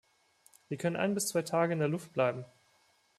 Sie können ein bis zwei Tage in der Luft bleiben.